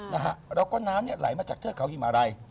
แล้วก็น้ำไหลมาจากเทือกเขาหิมะไร